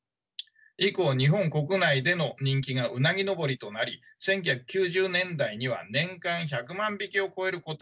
以降日本国内での人気がうなぎ登りとなり１９９０年代には年間１００万匹を超える個体が輸入されたとされます。